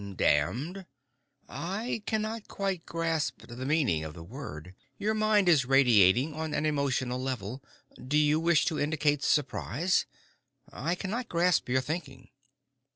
"Damned? I cannot quite grasp the meaning of the word. Your mind is radiating on an emotional level. Do you wish to indicate surprise? I cannot grasp your thinking."